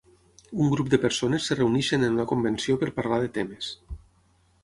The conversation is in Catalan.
Un grup de persones es reuneixen en una convenció per parlar de temes.